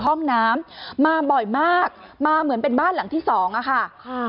ห้องน้ำมาบ่อยมากมาเหมือนเป็นบ้านหลังที่สองอะค่ะค่ะ